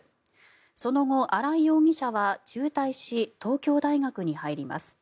その後、新井容疑者は中退し東京大学に入ります。